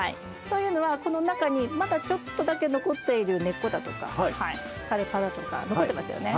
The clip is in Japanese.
というのはこの中にまだちょっとだけ残っている根っこだとか枯れ葉だとか残ってますよね。